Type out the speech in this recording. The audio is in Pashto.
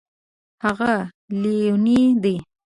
هغه لیونی دی